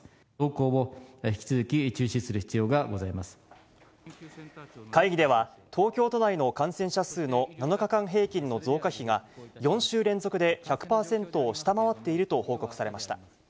動向を引き続き注視する必要がご会議では、東京都内の感染者数の７日間平均の増加比が、４週連続で１００％を下回っていると報告されました。